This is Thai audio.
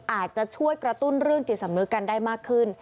และตุ้นเรื่องจิตสำนึกกันได้มากขึ้น